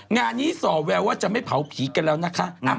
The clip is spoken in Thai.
งานนี้ส่อแววว่าจะไม่เผาผีกันแล้วนะคะ